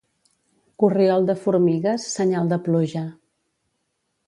Corriol de formigues, senyal de pluja.